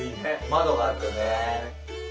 窓があってね。